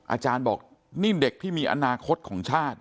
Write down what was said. คุณยายบอกว่ารู้สึกเหมือนใครมายืนอยู่ข้างหลัง